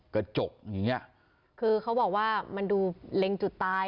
กระจกอย่างเงี้ยคือเขาบอกว่ามันดูเล็งจุดตาย